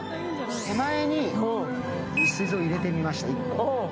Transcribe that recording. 手前に水槽を入れてみました、１個。